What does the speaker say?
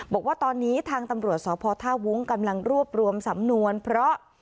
บอกว่าตอนนี้ทางตำรวจสพท่าวุ้งกำลังรวบรวมสำนวนเพราะ